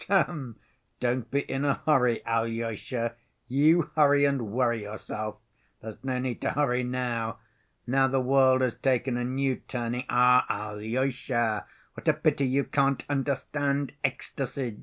H'm!... Don't be in a hurry, Alyosha, you hurry and worry yourself. There's no need to hurry now. Now the world has taken a new turning. Ah, Alyosha, what a pity you can't understand ecstasy.